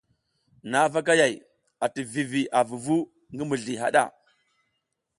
Nha vagayay ati vivi a vuvu ngi mizli haɗa.